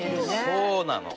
そうなの。